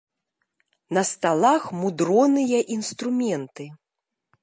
На сталах мудроныя інструменты.